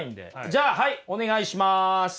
じゃあはいお願いします。